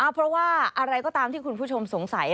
เพราะว่าอะไรก็ตามที่คุณผู้ชมสงสัย